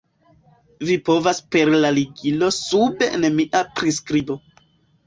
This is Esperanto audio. Vi povas per la ligilo sube en mia priskribo